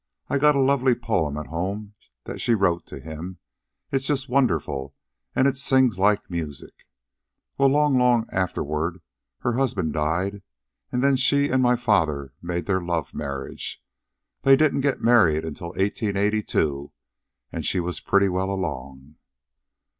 I've got a lovely poem home that she wrote to him. It's just wonderful, and it sings like music. Well, long, long afterward her husband died, and then she and my father made their love marriage. They didn't get married until 1882, and she was pretty well along."